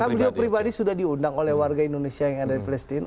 karena beliau pribadi sudah diundang oleh warga indonesia yang ada di palestina